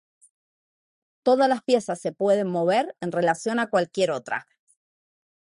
Todas las piezas se pueden mover en relación a cualquier otra.